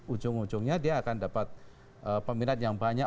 ujung ujungnya dia akan dapat peminat yang banyak